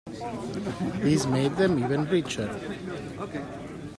This made them even richer.